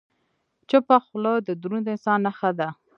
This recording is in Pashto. چپه خوله، د دروند انسان نښه ده.